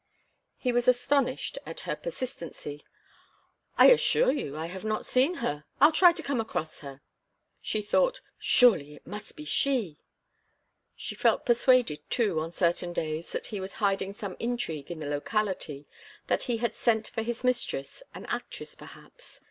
He was astonished at her persistency. "I assure you I have not seen her. I'll try to come across her." She thought: "Surely it must be she!" She felt persuaded, too, on certain days, that he was hiding some intrigue in the locality, that he had sent for his mistress, an actress perhaps.